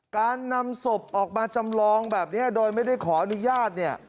การนำศพออกมาจำลองแบบนี้โดยไม่ได้ขออนุญาตเนี่ย